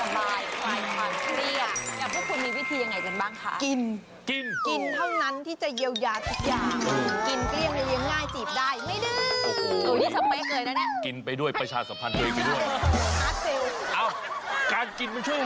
และมอเตอร์ไซค์ทุกวันและล้านทุกเดือน